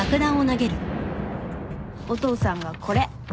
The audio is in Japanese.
お父さんがこれ